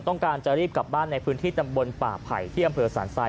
ต้องการจะรีบกลับบ้านในพื้นที่ตำบลป่าไผ่ที่อำเภอสารทราย